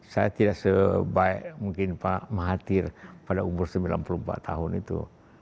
saya tidak sebaik mungkin pak mahathir pada umur sembilan puluh empat tahun itu